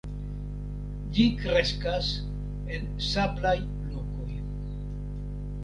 Ĝi kreskas en sablaj lokoj.